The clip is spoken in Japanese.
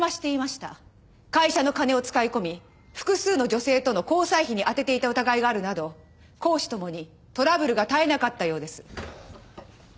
会社の金を使い込み複数の女性との交際費に充てていた疑いがあるなど公私共にトラブルが絶えなかったようです。